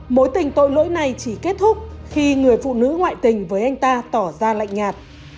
mối tình tội lỗi này chỉ kết thúc khi người phụ nữ ngoại tình với anh ta tỏ ra lạnh nhạt